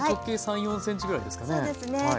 大体直径３４ｃｍぐらいですかね。